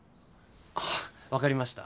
あぁわかりました。